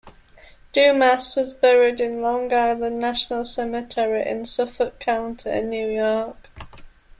Dumas was buried in Long Island National Cemetery in Suffolk County, New York.